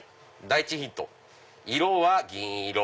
第１ヒント色は銀色。